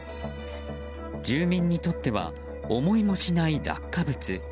住民にとっては思いもしない落下物。